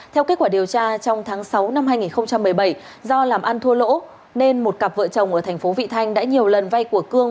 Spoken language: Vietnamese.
theo kết quả điều tra trong tháng sáu năm hai nghìn một mươi bảy do làm ăn thua lỗ nên một cặp vợ chồng ở thành phố vị thanh đã nhiều lần vay của cương